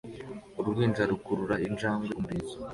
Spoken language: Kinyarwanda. Uruhinja rukurura injangwe umurizo